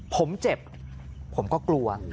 ผมเจ็บผมก็กลัว